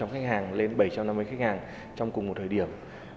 năm trăm linh khách hàng lên bảy trăm năm mươi khách hàng trong cùng một thời điểm